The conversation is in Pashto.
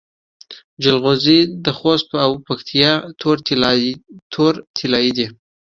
جلغوزي د خوست او پکتیا تور طلایی دي.